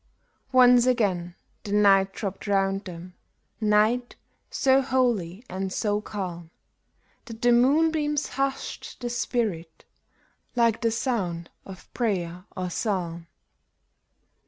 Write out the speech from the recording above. Once again the night dropped round them — night so holy and so calm That the moonbeams hushed the spirit, like the sound of prayer or psalm.